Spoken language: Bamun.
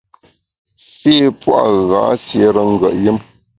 Shî pua’ gha siére ngùet yùm.